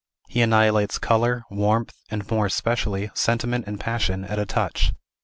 He annihilates color, warmth, and, more especially, sentiment and passion, at a touch.